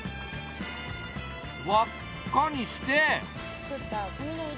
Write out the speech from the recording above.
わっかにして。